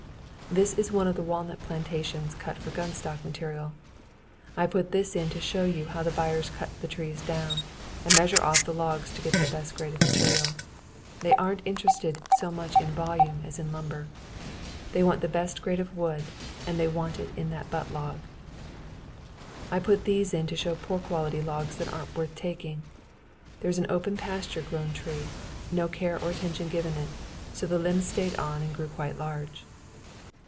This is one of the walnut plantations cut for gun stock material. I put this in to show you how the buyers cut the trees down, and measure off the logs to get the best grade of material. They aren't interested so much in volume as in lumber. They want the best grade of wood, and they want it in that butt log. I put these in to show poor quality logs that weren't worth taking. This is an open pasture grown tree. No care or attention given it, so the limbs stayed on and grew quite large.